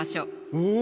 うん。